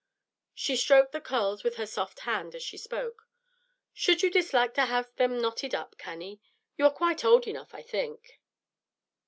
She stroked the curls with her soft hand, as she spoke. "Should you dislike to have them knotted up, Cannie? You are quite old enough, I think."